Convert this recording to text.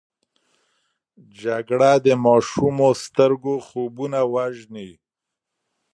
جګړه د ماشومو سترګو خوبونه وژني